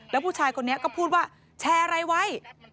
แล้วผู้ชายคนนี้ก็พูดว่าแชร์อะไรไว้